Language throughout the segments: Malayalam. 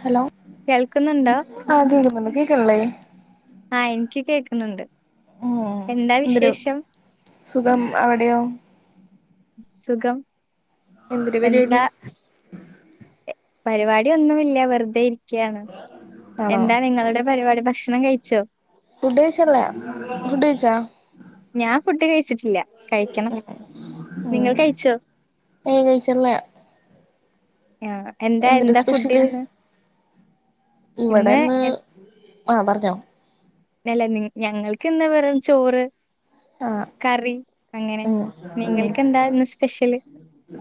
ഹലോ കേൾക്കുന്നുണ്ടോ? ആഹ് കേക്കുന്നുണ്ട് കേൾക്ക്ണില്ലേ ആഹ് ഇൻക്ക് കേക്കുന്നുണ്ട് ഉം എന്താ എന്തൊരു വിശേഷം സുഖം അവിടെയോ സുഖം എന്ത് ര പരിപാടി എന്താ പരിപാടി ഒന്നുമില്ല വെറുതെ ഇരിക്കയാണ്. ആണോ എന്താ നിങ്ങളുടെ പരിപാടി ഭക്ഷണം കഴിച്ചോ? ഫുഡ് കഴിച്ചല്ലാ ഫുഡ് കഴിച്ചോ? ഞാൻ ഫുഡ് കഴിച്ചിട്ടില്ല കഴിക്കണം നിങ്ങൾ ഉം കഴിച്ചോ? ഏയ് കഴിച്ചല്ലാ- ആഹ് എന്താ എന്തുട്ടാ എന്താ ഫുഡ് സ്പെഷ്യല് ഇന്ന്? ഇന്ന് ഇവിടെന്ന് എ ആഹ് പറഞ്ഞോ- ഇല്ലല്ല നി ഞങ്ങൾക്ക് ഇന്ന് വെറും ചോറ്- ആഹ് കറി അങ്ങനെ ഉം ഉം നിങ്ങൾക്ക് എന്താ ഇന്ന് സ്പെഷ്യല്?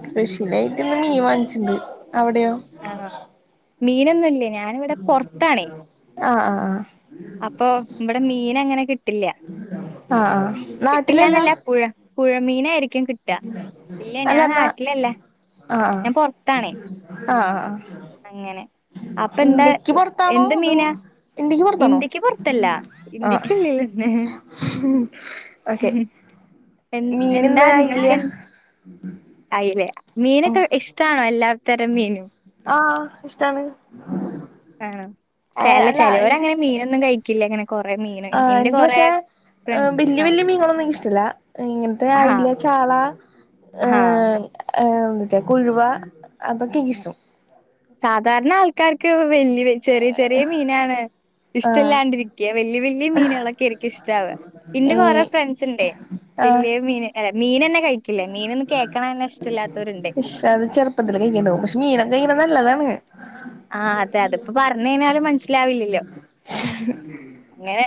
സ്പെഷ്യലായിട്ട് ഇന്ന് മീൻ വാങ്ങിച്ചിണ്ട് അവിടെയോ? ആഹ് ആണോ മീനൊന്നുല്ല ഞാനിവിടെ പൊർത്താണേ- ആഹ് ആഹ് ആഹ് അപ്പൊ ഇവടെ മീനങ്ങനെ കിട്ടില്ല- ആഹ് ആഹ് നാട്ടിലല്ല കിട്ടില്ലാന്നല്ല പുഴ പുഴ മീനായിരി ക്കും കിട്ട ഇല്ല അല്ല ഞാൻ എന്നാ നാട്ടിലല്ലേ ആഹ് ഞാൻ പൊർത്താണേ- ആഹ് ആഹ് അങ്ങനെ അപ്പ എന്താ ഇന്ത്യക്ക് പുറത്താണോ എന്ത് അതോ മീനാ ഇന്ത്യക്ക് പൊർത്തല്ല- ആഹ് ഇന്ത്യക്കുള്ളിലെന്നെ- ഓക്കെ എൻ മീന് ഇന്ന് അയ്ല്യ- അയ്ലയാ ഉം മീനൊക്കെ ഇഷ്ടാണോ എല്ലാം? ആഹ് ഇഷ്ടാണ്- ആണോ ചെല്ല അല്ല ചെലോര് അങ്ങനെ മീനൊന്നും കഴിക്കില്ല ഇങ്ങനെ കൊറേ മീൻ ആഹ് എനിക്ക് പക്ഷെ വല്യ ആ വല്യ മീൻകളൊന്നും ഇൻക്ക് ഇഷ്ടല്ല ഇങ്ങനത്തെ അയ്ല ചാള ആഹ് മറ്റേ കുഴുവാ അതൊക്കെ ഇൻക്കിഷ്ടം- സാധാരണ ആൾക്കാർക്ക് വല്യ വ ചെറിയ ചെറിയ മീനാണ് ആഹ് ഇഷ്ടല്ലാണ്ടിരി ക്യ വല്യ വല്യ മീനുകളൊക്കെ ആയിരിക്കും ഇഷ്ടാവ ഇന്റെ ഏഹ് കൊറേ ഫ്രണ്ട്സ്ണ്ടേ ആഹ് വല്യ മീന് അല്ല മീനെന്നെ കഴിക്കില്ല മീന് എന്ന് കേക്ക്ണെന്നെ ഇഷ്ടല്ലാത്തോര്ണ്ട്. ഇഷ് അത് ചെറുപ്പത്തിൽ കഴ്കാണ്ടാവും പക്ഷെ മീനൊക്ക കഴിക്ക്ണെ നല്ലതാണ്- ആഹ് അതെ അത് ഇപ്പോ പറഞ്ഞ് കഴിഞ്ഞാലും മനസ്സിലാവില്ലല്ലോ- [unintelligible] ഇങ്ങനെ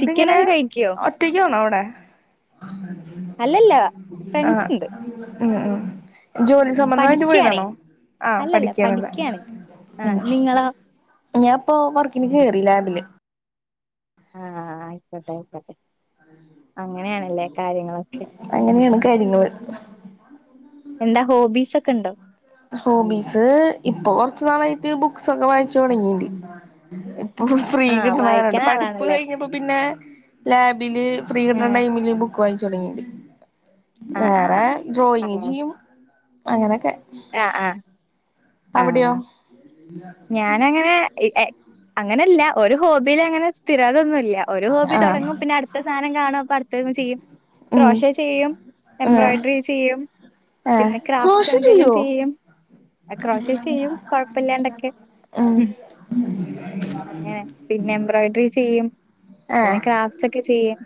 ഇതിങ്ങനെ കഴിക്കോ? ഒറ്റക്കാണോ അവിടെ അല്ലല്ല ആഹ് ഫ്രണ്ട്സ്ണ്ട്. ഉം ഉം. ജോലി ഉം സംബന്ധമായിട്ട് പഠിക്കാണേ പോയതാണോ? ആഹ് അല്ലല്ല പഠിക്കാണ്ല്ലേ പഠിക്കാണ്. ഉം. ആഹ് നിങ്ങളോ? ഞാൻ ഇപ്പോ വർക്കിന് കേറി ലാബില്- ആഹ് ആയിക്കോട്ടെ ആയിക്കോട്ടെ അങ്ങനെയാണല്ലേ? കാര്യങ്ങളൊക്കെ അങ്ങനെയാണ് കാര്യങ്ങള് എന്താ ഹോബീസ് ഒക്കെ ഉണ്ടോ? ഹോബീസ് ഇപ്പൊ കൊറച്ചു നാളായിട്ട് ബുക്സൊക്കെ വായിച്ചു തൊടങ്ങീ ഫ്രീ ആഹ് കിട്ടുന്നണ്ട് വായിക്കണ പഠിപ്പ് ആളാണല്ലേ. കഴിഞ്ഞപ്പോ പിന്നെ ലാബില് ഫ്രീ കിട്ടണ ഏഹ് ടൈമില് ബുക്ക് വായിച്ച് തുടങ്ങിണ്ട ആഹ് ആഹ് വേറെ ഡ്രോയിങ് ആഹ് ചെയ്യും അങ്ങനെയൊക്കെ ആഹ് ആഹ് അവിടയോ? ആഹ് ഞാനങ്ങനെ അങ്ങനെയല്ല ഒരു ഹോബിലങ്ങനെ സ്ഥിരത ഒന്നുല്ല ഒരു ഹോബി ആഹ് തൊടങ്ങും പിന്ന അടുത്ത സാധനം കാണും ചെയ്യും ഉം ക്രോഷ ചെയ്യും ആഹ് എംബ്രോയ്ഡറി ചെയ്യും. ആഹ് പിന്നെ ക്രാഫ്റ്റ്സ് ക്രോഷ എന്തേലും ചെയ്യോ ചെയ്യും എക്രോഷെ ചെയ്യും കൊഴപ്പില്ലാണ്ടൊക്കെ ഉം. അങ്ങനെ പിന്നെ എംബ്രോയിഡറി ചെയ്യും പിന്നെ ആഹ് ക്രാഫ്റ്റ്സ് ഒക്കെ ചെയ്യും.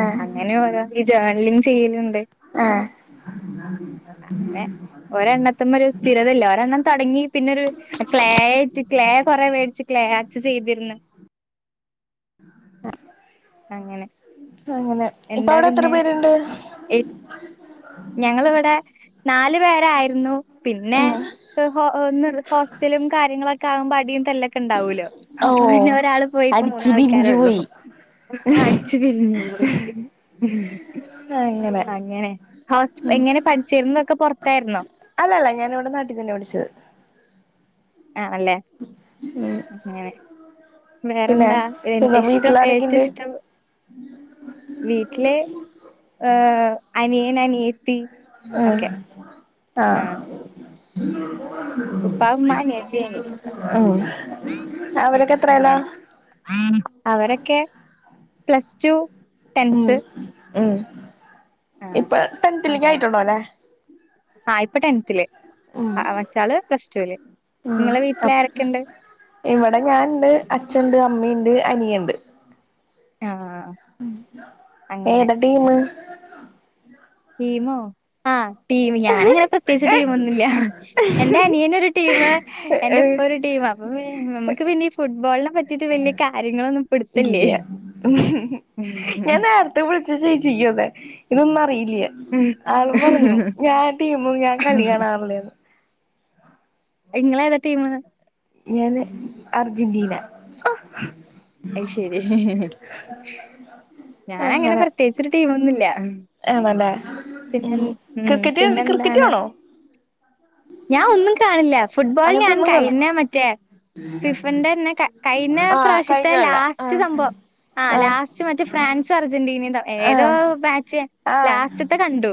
ആഹ് അങ്ങനെ പോരാ ഈ ജേണലിംഗ് ചെയ്യലുണ്ട് ആഹ് അങ്ങനെ ഒരെണ്ണത്തിമേ ഒരു സ്ഥിരത ഇല്ല ഒരെണ്ണം തൊടങ്ങി പിന്നൊരു ക്ലേയിട്ട് ക്ലേ കൊറെ വേടിച്ചു ക്ലേ അർട്ട് ചെയ്തിന്ന്- അങ്ങനെ ആഹ് അങ്ങനെ എന്താ പിന്നെ ഞങ്ങളിവിടെ നാല് പേരായിരുന്നു പിന്നെ ഉം ഹോ ഒന്ന് ഹോസ്റ്റലും കാര്യങ്ങളൊക്കെ ആകുമ്പ അടിയും തലൊക്കെ ക്കെ ഉണ്ടാവലോ അപ്പൊ ഓഹ് പിന്നെ ഒരാള് പോയി ഇപ്പോ അടിച്ച് മൂന്നാൾക്കാരെ പിരിഞ്ഞു ഒള്ളു പോയി ആഹ് അടിച്ചു പിരിഞ്ഞു പോയി അങ്ങനെ ഹോസ് എങ്ങനെ പഠിച്ചിരുന്നതൊക്കെ പൊറത്തായിരുന്നോ അല്ല അല്ല ഞാനിവിടെ നാട്ടി തന്നെയ പഠിച്ചത് ആണല്ലേ ഉം അങ്ങനെ പിന്നെ വേറെന്താ സുഖം ഇഷ്ടം ഏറ്റവും വീട്ടിലാരൊക്കെയുണ്ട് ഇഷ്ടം വിട്ടില്ഏഹ് അനിയൻ അനിയ ഉം ആഹ് ഉപ്പ ഉമ്മ അനിയത്തി അനിയൻ ഉം. ഉം അവരക്ക എത്രേല്ല അങ്ങനെ അവരൊക്കെ പ്ലസ് ടു ഉം ടെൻത്ത് ഉം ആഹ് ഇപ്പ ടെൻതിലേക്ക് അങ്ങനെ ആയിട്ടൊള്ളു അല്ലെ ആഹ് ഇപ്പൊ ടെൻത്തില്ല് ഉം മറ്റാള് പ്ലസ്ടുല് ഉം നിങ്ങളെ വീട്ടില് അപ് ആരൊക്കെണ്ട് ഇവിടെ ഞാൻണ്ട് അച്ഛൻ ണ്ട് അമ്മയിണ്ട് അനിയണ്ട് ആഹ് ആഹ് ആഹ് ഉം ഏത ടീമ് ടീമോ ആഹ് ടീം ഞാനങ്ങനെ പ്രത്യേകിച്ച് ടീമൊന്നും ഇല്ല എന്റെ അനിയനൊരു ടീം എന്റെ ഏഹ് ഇപ്പ ഒരു ടീം അപ്പ നമുക്ക് പിന്നെ ഈ ഫുട്ബോളിനെ പറ്റിയിട്ട് വലിയ കാര്യങ്ങളൊന്നും പിടുത്തല്ലേ ഇല്യ ഞാൻ നേര ത്ത് വിളിച്ചച്ച് ചേച്ചിക്ക് അതെ ഇതൊന്നും അറിയില്ല ആളും പറഞ്ഞു ഞാൻ ടീമും ഞാൻ കളി കാണാറില്ലേന്ന് അത് ഇങ്ങളേത ടീമ് ഞാന് അർജന്റീന അയ്‌ശരി ഞാന് അങ്ങനെ പ്രത്യേകിചൊരു ടീമ ഒന്നുല്ല ആണല്ലേ പിന്നെ ഉം ഉം ക്രിക്കറ്റ് പിന്നെ ക്രിക്കറ്റ് എന്താണ് കാണോ ഞാൻ ഒന്നും കാണില്ല ഫുട്ബോൾ അങ്ങനത്തെ ഞാൻ ഒന്നും കാണോ കഴിഞ്ഞ മറ്റേ ഫിഫന്റെ തന്നെ കഴിഞ്ഞ ആഹ് പ്രാവശ്യത്തെ കഴിഞ്ഞ കൊല്ല ലാസ്റ്റ് ആഹ് സംഭവം ആഹ് ലാസ്റ്റ് മറ്റേ ഫ് ഫ്രാൻസ് അർജന്റിനെ തം ഏതോ ആഹ് മാച്ച് ആഹ് ലാസ്റ്റത്തെ കണ്ടു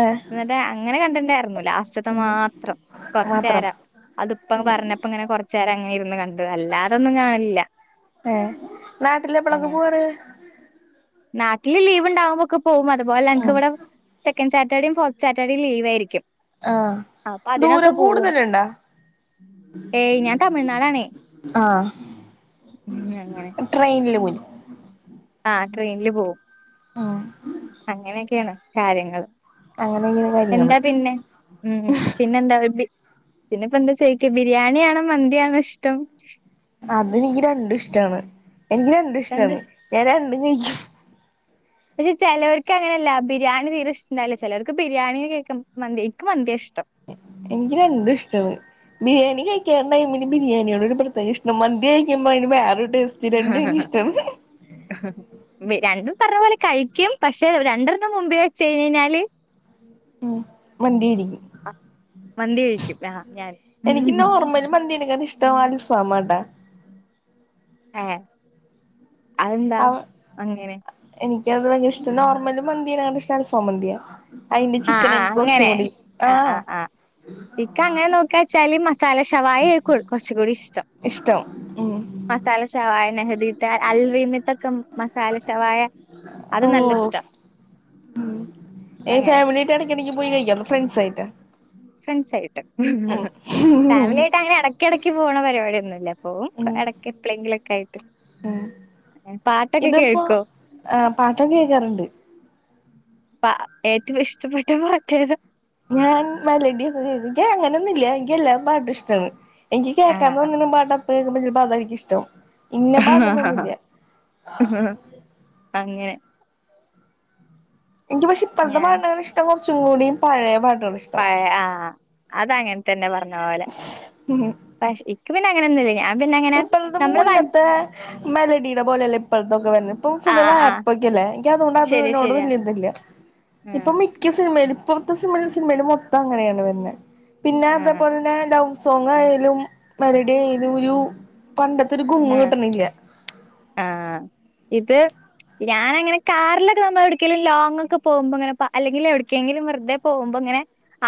ആഹ് അന്നട്ടാ അങ്ങനെ കണ്ടിണ്ടായിരുന്ന് ലാസ്‌റ്റത്ത മാത്രം മാത്രം കൊറചേരം അതിപ്പ ഉം പറഞ്ഞ അപ്പ ഇങ്ങനെ കൊറചേരം അങ്ങനെ ഇരുന്ന് കണ്ട് അല്ലാതൊന്നും കാണാലില്ല. ഏഹ് നാട്ടില് എപ്പളക്ക പോവാറ്? നാട്ടില് ലീവ്ണ്ടാവുമ്പോക്കെ പോവും. അതുപോലെ എനക്ക് ഉം ഇവടെ, സെക്കഡ് സറ്റഡേയും ഫോർത്ത്സാറ്റർഡേയും ലീവായിരിക്കും. ആഹ് അപ്പൊ അതിനൊക്കെ ദൂരം പോവും. കൂടുതലുണ്ടാ? ഏയ് ഞാൻ തമിഴ്നാടാണേ. ആഹ് ഉമ് അങ്ങനെ. ട്രെയിനില് പോയി ആഹ് ട്രെയിനില് പോകും ആഹ് അങ്ങനെക്കെയാണ് കാര്യങ്ങള് അങ്ങന ഇങ്ങനെ എന്താ പിന്നെ? ഉം പിന്നെ എന്താ പിന്നെപ്പ എന്താ ചോയ്ക്ക? ബിരിയാണിയാണോ മന്തിയാണോ ഇഷ്ടം? അതെനിക്ക് രണ്ടും ഇഷ്ടാണ് എനിക്ക് രണ്ടും ഇഷ്ട്ടാണ്. ഞാൻ രണ്ടും കഴിക്കും. പക്ഷെ ചേലർക്ക് അങ്ങനെയല്ല ബിരിയാണി തീരെ ഇഷ്ട്ടാണ്ടാവില്ല. ചെലർക്ക്ബിരിയാണി കേക്കുമ്പോ മതിയ്ക്ക്ഇൻക്ക് മന്തിയ ഇഷ്ടം എനിക്ക് രണ്ടും ഇഷ്ട്ടാണ്. ബിരിയാണി കഴിക്കാൻ ടൈമിൽ ബിരിയാണിയോട് ഒരു പ്രത്യേക ഇഷ്ടം. മന്തി കഴിക്കുമ്പോൾ അയിന് വേറെരു ടേസ്റ്റ്. രണ്ടും ഹഹ എനിക്ക് ഹ ഇഷ്ടാണ് ഹ രണ്ടും പറഞ്ഞ പോലെ കഴിക്കും പക്ഷെ രണ്ടെണ്ണം മുൻപിൽ വെച്ച്യ്ഞഴിഞ്ഞാല് ഉം മന്തിയായിരിക്കും. മന്തി കഴിക്കും ആഹ് ഞാൻ എനിക്ക് നോർമല് മന്തിനേക്കാള് ഇഷ്ടം അൽഫാമാട്ടോ ആഹ് അതെന്താ അവ അങ്ങനെ? എനിക്കത് ഭയങ്ക ഇഷ്ട. നോർമല് മന്തിനെക്കാൾ ഇഷ്ടം അൽഫാം മന്തിയാ അയിന്റെ ആഹ് ആഹ് ചിക്കനെന്ക്കു അങ്ങനെ കുറച്ചുകൂടി, ആ ഇക്ക് അങ്ങനെ നോക്കാച്ചാല് മസാല ഷവായ ഏക്കും കുറച്ചുകൂടി ഇഷ്ടം. ഇഷ്ടം ഉം. മസാല ഷവായ നെഹദീത്തെ അൽറീമത്തൊക്കെ മസാല ശവായ. അത് നല്ല ഇഷ്ട. ഉം, ഈ ഫാമിലി ആയിട്ട് ഇടക്കിടക്ക് പോയി കഴിക്കോ? അതോ ഫ്രണ്ട്സായിട്ട? ഫ്രണ്ട്സ് ആയിട്ട്. ഉം ഫാമിലി ആയിട്ട് അങ്ങനെ ഇടക്ക ഇടക്ക്ക് പോണ പരിപാടിയൊന്നുല്ല. പോവും, ഉം എടക്ക് എപ്പളെങ്കിലൊക്കെ ആയിട്ട്. പാട്ടൊക്കെ ഇതിപ്പോ കേൾക്കോ? എ പാട്ടൊക്കെ കേക്കാറുണ്ട്. ഏറ്റവും ഇഷ്ടപ്പെട്ട പാട്ടേത? ഞാൻ മെലഡി ഒക്കെ കേക്കും. നിക്ക് അങ്ങനെയൊന്നും ഇില്ല എനിക്ക് എല്ലാ പാട്ടും ഇഷ്ട്ടാണ്. എനിക്ക് കേക്കാൻ ആഹ് തോന്നണ പാട്ടപ്പൊ കേൾക്ക്മ്പോ ചെൽപ്പോ അതായിരിക്കും ഇഷ്ടം. ഇന്നെ പാട്ടെന്നൊന്നുല്ല. അങ്ങനെ എനിക്ക് പക്ഷെ ഇപ്പോഴത്തെ ഞാൻ പാട്ട്നേക്കാൾ ഇഷ്ടം കുറച്ചുകൂടി പഴയ പാട്ടുകളാണ് ഇഷ്ടം. പഴയ ആ അത് അങ്ങനെതന്നെ പറഞ്ഞ പോലെ. ഉം പക്ഷെ ഇനക്ക് പിന്നെ അങ്ങനൊന്നുല്ല ഞാ ഇപ്പഴത്തെ മുന്നത്തെ, മെലഡിയുടെ പോലെയല്ല ഇപ്പോഴതൊക്കെ വരന, ഇപ്പൊ ഫുള് ആഹ് ആഹ് റാപൊക്കെല്ലെ എനിക്ക് അതോണ്ട് ശരിയാ അതിനോട് ശരിയാ. വല്യ ഇതില്ല. ആഹ് നിക്ക് സിനിമയ്ല് ഇപ്പൊത്തെ സിനിമയില് മൊത്തം അങ്ങനെയാണ് വർണേ. പിന്നെ ആഹ് അതപോലെ തന്നെ ലൗ സോങ് ആയാലും മെലഡി ആയാലും ഒരു പണ്ടത്തെൊരു ഗുമ്മ് ആഹ് കിട്ടണില്ല. ആഹ് ഇത് ഞാനങ്ങനെ കാറിലൊക്കെ നമ്മള് എ വിട്ക്കെങ്കിലും ലോങ്ങൊക്കെ പോകുമ്പോ അങ്ങനെ പ, അല്ലെങ്കില് എവിടട്ക്കെങ്കിലും വെറുതെ പോകുമ്പോ ങ്ങനെ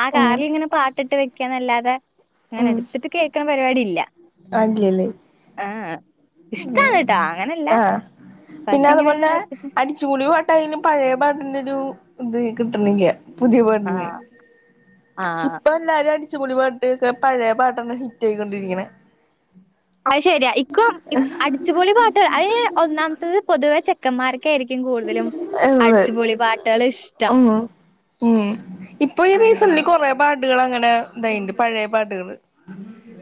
ആ ഉം കാറിൽ ഇങ്ങനെ പാട്ടിട്ട് വെക്കന്നല്ലാതെ ഇങ്ങനെ എടുത്തിട്ട് കേക്കണ പരിപാടില്ല ആഹ് ഇല്ലലെ ഇഷ്ടാണ് ട്ടോ ഉം അങ്ങനല്ല. ആഹ് പിന്നെ പക്ഷെ ഇങ്ങനെ അതുപോലെന്നെ എടുത്തിട്ട് അടി ചൂളി പാട്ടായാലും പഴയ പാട്ടിൻ്റെ ഒരു ഇത് കിട്ടണില്ല പുതിയ പാട്ടിന്. ആഹ് ആഹ് ഇപ്പൊ എല്ലാരും അടിച്ചപൊളി പാട്ട്ക്കെ പഴയ പാട്ടെന്നെ ഹിറ്റ് ആയിക്കൊണ്ടിരിക്കണേ അത് ശരിയാ ഇക്കും ഇപ്പൊ അടിച്ചുപൊളി പാട്ടു അതി ഒന്നാമത്തത് പൊതുവെ ചെക്കന്മാർ ക്കായിരിക്കും കൂടുതലും എന്നത് അടിച്ചുപൊളി പാട്ടുകൾ ഇഷ്ടം ഉം ഉം ഇപ്പൊ ഈ റീസന്ലി അങ്ങനെ കുറെ പാട്ടുകൾ അങ്ങനെ ഇതായിണ്ട് പഴയ പാട്ടുകള്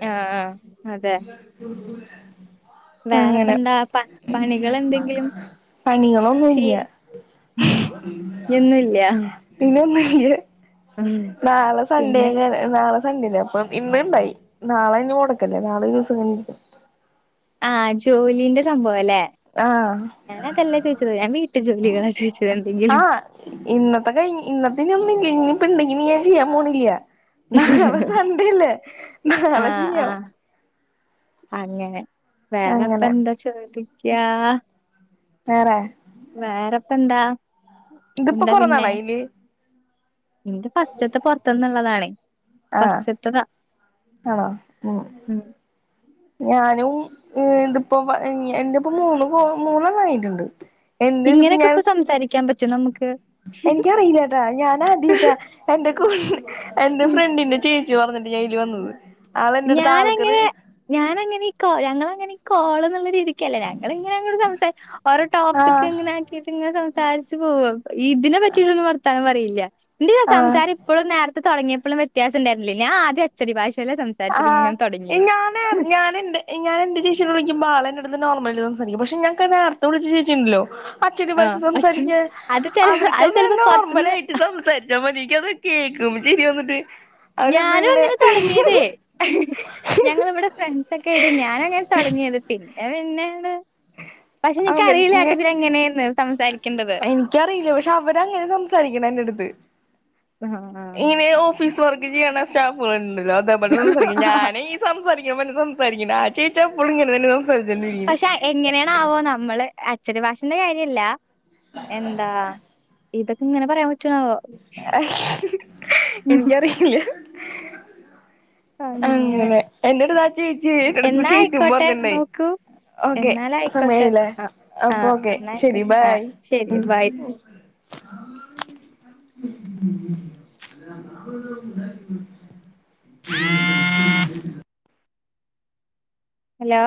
ആഹ് ആഹ് [unintelligible] വേറെപ്പോ അങ്ങനെ എന്താ പ പണികൾ എന്തെങ്കിലും പണികളൊന്നുംല്ല ചെയ്യും ഉം ഇനിയോന്നുല്ല പിന്നെ ഒന്നുല്ല, നാളെ സൺഡേ പിന്നെ അങ്ങനെ നാളെ സണ്ടേല്ല അപ്പൊ ഇന്ന് ഉണ്ടായി നാളെ അനി മുടക്കല്ലേ നാളെ ഒരു ദിവസം ഇങ്ങനെ ഇരിക്കും ആഹ് ജോലിന്റെ സംഭവല്ലേ ആഹ് ഞാന അതല്ല ചോദിച്ചത് ഞാൻ വീട്ടു ജോലികളാ ചോദിച്ചത് എന്തെങ്കിലും ആഹ് ഇന്നത്തെ കഴിഞ്ഞു ഇന്നത്തനി ഒന്നും ഇല്ല, ഇനി ഇപ്പോ ഉണ്ടെങ്കിലും ഞാൻ ചെയ്യാൻ പോണില്ല നാളെ സൺണ്ടേല്ലേ നാളെ ആഹ് ചെയ്യാം ആഹ് അങ്ങനെ, അങ്ങനെ വേറെപ്പന്താ ചോദിക്ക്യാ വേറെ വേറെപ്പന്താ തിപ്പ കുറേ നാളായീല് ന്റെ ഫസ്റ്റ്ത്തെ പൊർത്തന്ന്ള്ളതാണേ ഫസ്റ്റ്ത്തെതാ ആഹ് ഉം ഉം ഞാനും തിപ്പോ എന്റെ ഇപ്പ മൂന്ന് കോ മൂന്നെണം ആയിട്ടുണ്ട്! ! ! ! ! ! ! ! ! !! ! ! ! ! ! ! ! ! ! എനിക്കറിയില്ലട്ടാ ഞാനാദ്യായിട്ടാ.. എന്റെ കൂ എന്റെ ഫ്രണ്ടിന്റെ ചേച്ചി ച്ചി പറഞ്ഞിട്ട് ഞാൻ ഇതില് വന്നത്! ! ! ! ! ! ! ! ! ഞാനങ്ങനെ ഞാനങ്ങനെ കോ ഞങ്ങള് അങ്ങനെ കോള് ഒന്നും എ--! ! ! ! ! ! ! ! ! ! ! ക്കല്ലെ ഞങ്ങളിങ്ങന സംസാ ഓരോ ആഹ് ടോപ്പിക്ക്ങ്ങനെ ഇത് ഇങ്ങനെ സംസാരിച്ചു പോകും ഇതിനെ പറ്റിയിട്ടൊന്നും വർത്താനം പറയില്ല എന്തേലും ആഹ് സംസാരി ക്കുപ്പോഴും നേരത്തെ തുടങ്ങിയപ്പോഴും വ്യത്യാസംണ്ടരുന്നില്ല ഞാൻ ആദ്യ അച്ചടി ഭാഷയിലെ സം--! ! ! ! ! ! ! ! ! ! ആഹ് ഈ ഞാന് ഞാൻ എന്റെ ഞാൻ എൻ്റെ ചേച്ചിനേ വിളിക്ക്പോ ആള എന്റെ അടുത്ത് നോർമല് സംസാരിക്കാരിക്കും പക്ഷെ ഞാൻ നേരത്തെ വിളിച്ച ചേച്ചിണ്ടല്ലോ അച്ചടി ഭാഷ ആഹ് അച്ഛൻ സംസാരിക്കാൻ അത് ചെല അവർക്ക അത് ചെലപ്പോ നോർമലാ പൊറത്തുന്ന് യിട്ട് സംസാരിച്ചാ മതി എനിക്ക് അത് കേക്കുംമ്പം ചിരി വന്നിട്ട് അവര് അത് ഞാനും അങ്ങനെ തൊടങ്ങിയതേ ഞങ്ങളിവിടെ ഫ്രണ്ട്സക്കെ ആയിട്ട് ഞാനാ അങ്ങന തുടങ്ങിയത് പിന്നെ പിന്നെഅങ്ങട് പക്ഷെ എനിക്കറിയില്ലട്ടാ അവന് ഇത് എങ്ങനെയന്ണ് സംസാ എനിക്കറിയില്ല പക്ഷെ അവരങ്ങനെ സംസാരിക്കണ എന്റെ അടുത്ത് ആഹ് ഇങ്ങനെയോ ഓഫീസ് വർക്ക് ചെയ്യണ സ്റ്റാഫ്കൾ ഉണ്ടല്ലോ അത് പോലെ സംസാരിക്കണ ഞാന് സംസാരിക്ക പറ്റുന്ന സംസാരിക്കന്ന് ഉണ്ട് ആ ചേച്ചി എപ്പളും ഇങ്ങനെ തന്നെയാ സം സാരിച്ചോണ്ടരിക്കും പക്ഷെ എങ്ങനെയണ് ആവോ നമ്മള് അച്ചടി ഭാഷന്റെ കാര്യംല്ല എന്താ ഇതൊക്കെ ഇങ്ങനെ പറയാൻ പ റ്റാ ഒ സ് എനിക്കറിയില്ല അങ്ങനെ എന്റെടുത്താചേച്ചി എടുത്ത് എന്നാ കേറ്റും ആയിക്കോട്ടെ പർഞ്ഞിണ്ടായി നോക്കൂ. ഓക്കെ എന്നാലായിക്കോട്ടെ. സമയായില്ലേ ആഹ് ആഹ് അപ്പോക്കെ ശരി എന്നായിക്കോട്ടെ. ആഹ് ബായ് ശരി ബൈ. [inaudible] [inaudible] [inaudible] ഹലോ